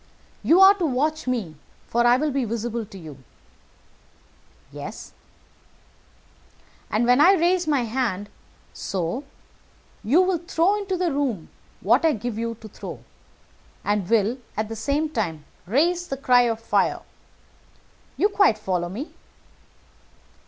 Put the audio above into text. "You are to watch me, for I will be visible to you." "Yes." "And when I raise my hand so you will throw into the room what I give you to throw, and will, at the same time, raise the cry of fire. You quite follow me?"